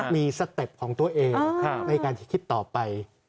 มีสเต็ปของตัวเองในการที่คิดต่อไป